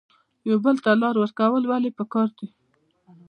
یو بل ته لار ورکول ولې پکار دي؟